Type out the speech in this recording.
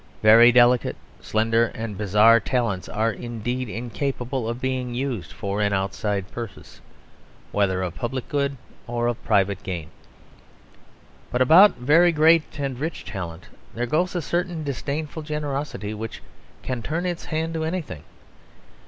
Very delicate, slender, and bizarre talents are indeed incapable of being used for an outside purpose, whether of public good or of private gain. But about very great and rich talent there goes a certain disdainful generosity which can turn its hand to anything.